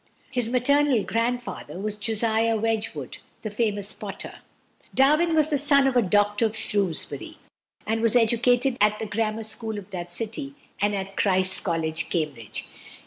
His maternal grandfather was Josiah Wedgwood, the famous potter. Darwin was the son of a doctor of Shrewsbury, and was educated at the Grammar School of that city and at Christ's College, Cambridge.